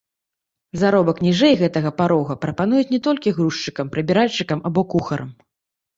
Заробак ніжэй гэтага парога прапануюць не толькі грузчыкам, прыбіральшчыкам або кухарам.